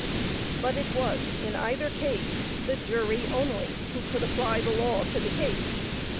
But it was in either case the jury only who could apply the law to the case.